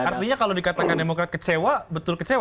artinya kalau dikatakan demokrat kecewa betul kecewa